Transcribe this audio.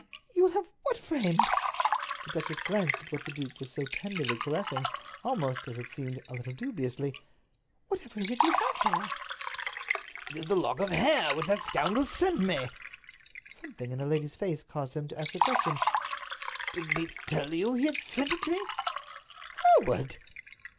"You will have what framed?" The duchess glanced at what the duke was so tenderly caressing, almost, as it seemed, a little dubiously. "Whatever is it you have there?" "It is the lock of hair which that scoundrel sent me." Something in the lady's face caused him to ask a question; "Didn't he tell you he had sent it to me?" "Hereward!"